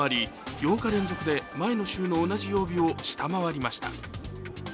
８課連続で前の週の同じ曜日を下回りました。